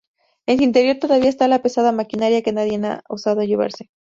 En su interior todavía está la pesada maquinaria, que nadie ha osado llevarse.